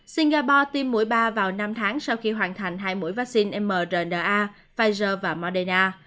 singapore tiêm mũi ba vào năm tháng sau khi hoàn thành hai mũi vaccine mrna pfizer và moderna